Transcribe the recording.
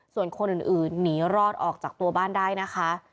ส่วนคนอื่นหนีรอดออกจากตัวบ้านได้นะคะ